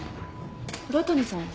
浦谷さん。